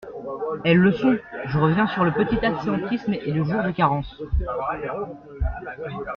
Elles le sont ! Je reviens sur le petit absentéisme et le jour de carence.